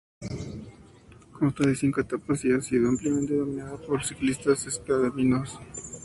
Consta de cinco etapas y ha sido ampliamente dominada por ciclistas escandinavos.